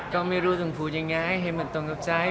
ก็ไม่รู้ต้องพูดยังไงให้มันตรงกับใจ